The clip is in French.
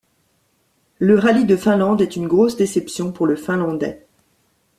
Le Rallye de Finlande est une grosse déception pour le Finlandais.